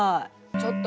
ちょっと！